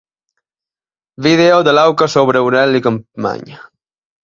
Vídeo de l'auca sobre Aureli Capmany.